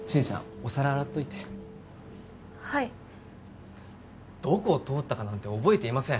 お皿洗っといてはいどこを通ったかなんて覚えていません